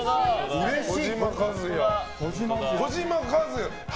うれしい。